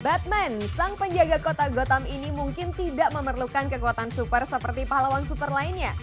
batman sang penjaga kota gotam ini mungkin tidak memerlukan kekuatan super seperti pahlawan super lainnya